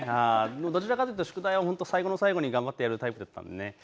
どちらかというと宿題は最後の最後に頑張ってやるタイプでした。